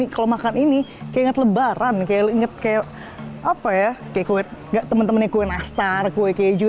kalau makan ini kayak ingat lebaran kayak ingat kue teman temannya kue nastar kue keju